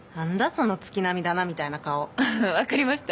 その月並みだなみたいな顔ははっわかりました？